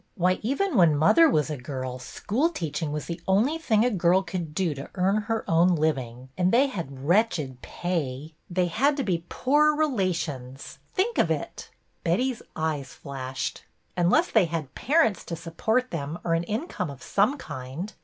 Why, even when mother was a girl, school teaching was the only thing a girl could do to earn her own living, and they had wretched pay. They had to THE CLAMMERBOY 47 be poor relations — think of it !'' Betty's eyes flashed, —'' unless they had parents to support them or an income of some kind.